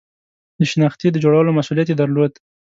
د شنختې د جوړولو مسئولیت یې درلود.